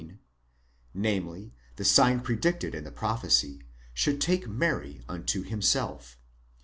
namely the sign predicted in the prophecy, should take Mary unto himself.